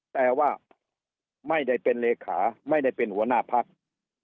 แต่ว่าไม่ได้เป็นเลขาไม่ได้เป็นหัวหน้าพัก